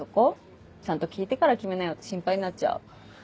ちゃんと聞いてから決めなよって心配になっちゃう。